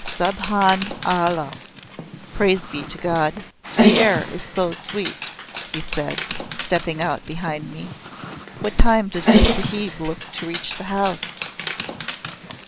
"Subhan Alla! (Praise be to God!) the air is sweet!" he said, stepping out behind me. "What time does the Sahib look to reach the House?"